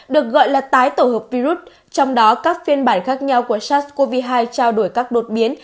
được gọi là tái tổ hợp virus trong đó các phiên bản khác nhau của sars cov hai trao đổi các đột biến